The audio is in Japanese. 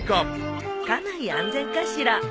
「家内安全」かしら？